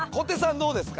どうですか？